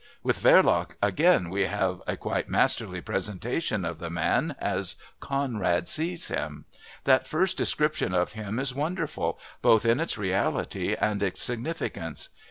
With Verloc again we have a quite masterly presentation of the man as Conrad sees him. That first description of him is wonderful, both in its reality and its significance.